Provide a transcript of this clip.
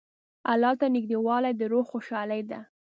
الله ته نېږدېوالی د روح خوشحالي ده.